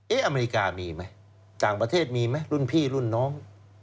อเมริกามีไหมต่างประเทศมีไหมรุ่นพี่รุ่นน้อง